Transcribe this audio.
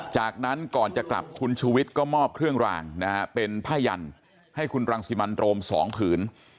จากนั้นก่อนจะกลับคุณชูวิทย์ก็มอบเครื่องรางนะฮะเป็นผ้ายันให้คุณรังสิมันโรม๒ผืน